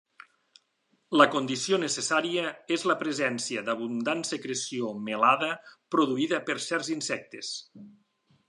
La condició necessària és la presència d'abundant secreció melada produïda per certs insectes.